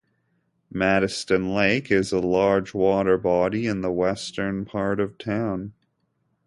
Maidstone Lake is a large water body in the western part of town.